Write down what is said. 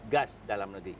gas dalam negeri